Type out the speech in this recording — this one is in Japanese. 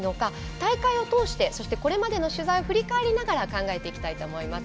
大会を通してそして、これまでの取材を振り返りながら考えていきたいと思います。